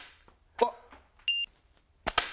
あっ！